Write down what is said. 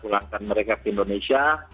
pulangkan mereka ke indonesia